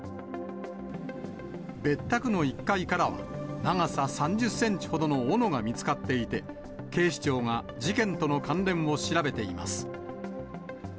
別宅の１階からは、長さ３０センチほどのおのが見つかっていて、警視庁が事件との関連を調べています。